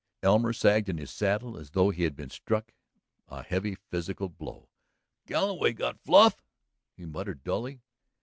Elmer sagged in his saddle as though he had been struck a heavy physical blow. "Galloway got Fluff!" he muttered dully.